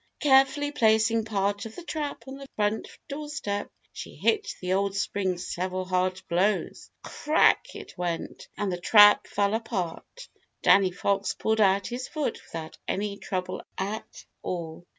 Carefully placing part of the trap on the front doorstep, she hit the old spring several hard blows. Crack! it went, and the trap fell apart. Danny Fox pulled out his foot without any trouble at all.